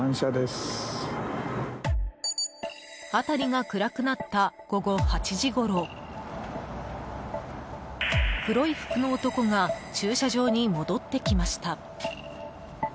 辺りが暗くなった午後８時ごろ黒い服の男が駐車場に戻ってきました。